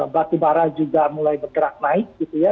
batu bara juga mulai bergerak naik gitu ya